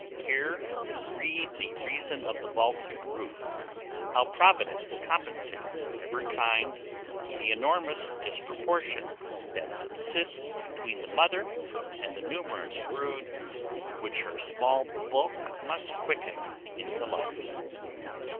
Here read the reason of the vaulted roof; How Providence compensates, ever kind, The enormous disproportion that subsists Between the mother and the numerous brood Which her small bulk must quicken into life."